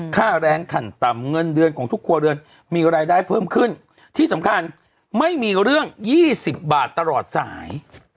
ค่าแรงขันต่ำเงินเดือนของทุกครัวเรือนมีรายได้เพิ่มขึ้นที่สำคัญไม่มีเรื่อง๒๐บาทตลอดสาย